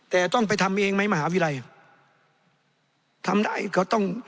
แต่ต้องไปทำเองไหมมหาวิทยาลัยทำได้เขาต้อง